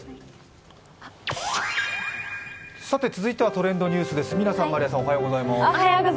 続いてはトレンドニュースです。